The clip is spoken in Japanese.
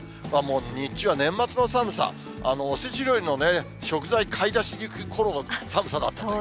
日中は年末の寒さ、おせち料理の食材買い出しに行くころの寒さだった。